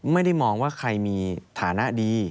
ไม่ได้มองว่าใครมีฐานะดี